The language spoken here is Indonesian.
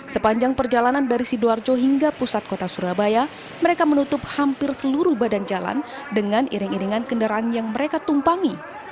sepanjang perjalanan dari sidoarjo hingga pusat kota surabaya mereka menutup hampir seluruh badan jalan dengan iring iringan kendaraan yang mereka tumpangi